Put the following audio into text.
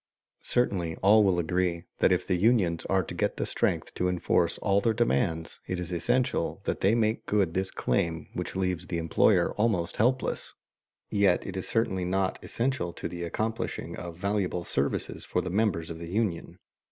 Certainly all will agree that if the unions are to get the strength to enforce all their demands it is essential that they make good this claim which leaves the employer almost helpless. Yet it certainly is not essential to the accomplishing of valuable services for the members of the union.